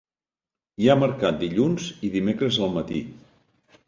Hi ha mercat dilluns i dimecres al matí.